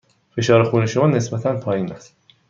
فشار خون شما نسبتاً پایین است.